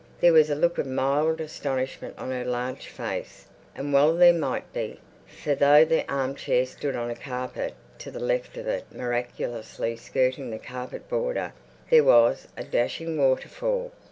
There was a look of mild astonishment on her large face, and well there might be. For though the arm chair stood on a carpet, to the left of it, miraculously skirting the carpet border, there was a dashing water fall.